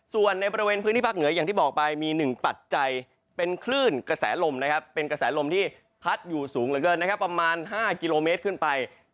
ส่วนในบริเวณพื้นที่ภาคเหนืออย่างที่บอกไปมี๑ปัจจัยเป็นคลื่นกระแสลมนะครับเป็นกระแสลมที่พัดอยู่สูงเหลือเกินนะครับประมาณ๕กิโลเมตรขึ้นไป